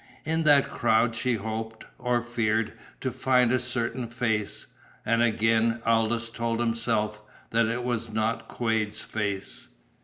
In that crowd she hoped or feared to find a certain face. And again Aldous told himself that it was not Quade's face.